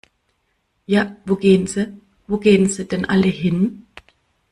Ja wo gehn se, wo gehn se denn alle hin?